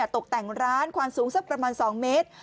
ตกแต่งร้านความสูงสักประมาณ๒เมตร